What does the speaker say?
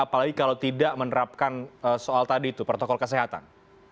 apalagi kalau tidak menerapkan soal tadi itu protokol kesehatan